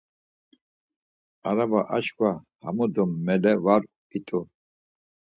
Araba aşǩva hamu do mele var it̆u.